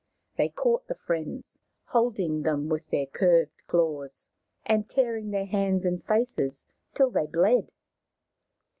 They caught the friends, holding them with their curved claws, and tearing their hands and faces till they bled.